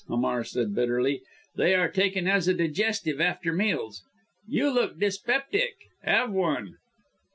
Hamar said bitterly, "they are taken as a digestive after meals. You look dyspeptic have one."